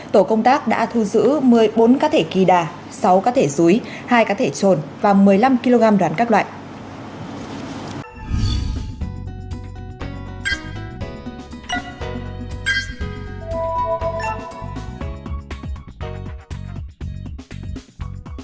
tổ công tác đã thu giữ một mươi bốn cá thể kỳ đà sáu cá thể rúi hai cá thể trồn và một mươi năm kg đoàn các loại